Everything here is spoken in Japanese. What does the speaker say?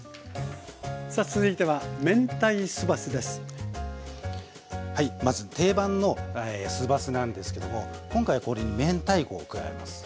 さあ続いてははいまず定番の酢ばすなんですけども今回はこれに明太子を加えます。